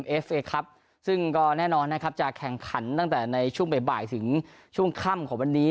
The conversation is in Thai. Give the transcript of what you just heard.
เอฟเอครับซึ่งก็แน่นอนนะครับจะแข่งขันตั้งแต่ในช่วงบ่ายถึงช่วงค่ำของวันนี้